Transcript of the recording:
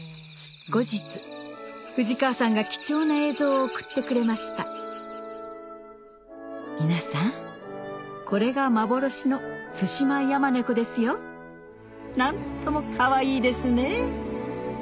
後日藤川さんが貴重な映像を送ってくれました皆さんこれが幻のツシマヤマネコですよ何ともかわいいですね